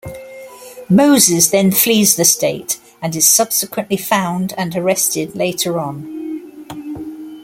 Moses then flees the state, and is subsequently found and arrested later on.